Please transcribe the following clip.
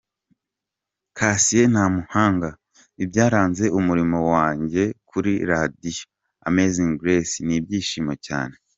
Cassien Ntamuhanga: Ibyaranze umurimo wanjye kuri Radiyo Amazing Grace ni byinshi cyane.